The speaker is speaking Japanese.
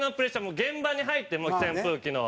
現場に入っても、扇風機の。